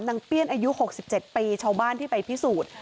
เปี้ยนอายุ๖๗ปีชาวบ้านที่ไปพิสูจน์